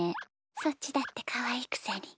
そっちだってかわいいくせに。